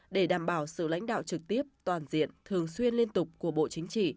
để đảm bảo sự lãnh đạo trực tiếp toàn diện thường xuyên liên tục của bộ chính trị